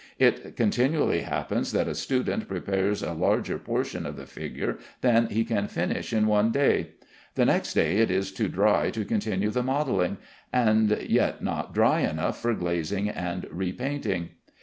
It continually happens that a student prepares a larger portion of the figure than he can finish in one day. The next day it is too dry to continue the modelling, and yet not dry enough for glazing and repainting.